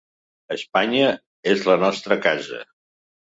Espanya és la nostra casa.